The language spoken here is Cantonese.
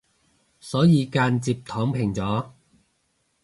所以間接躺平咗